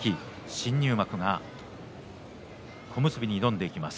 新入幕が小結に挑んでいきます。